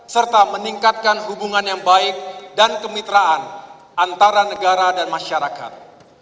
serta meningkatkan hubungan yang baik dan kemitraan antara negara dan masyarakat